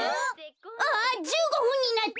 あ１５ふんになった！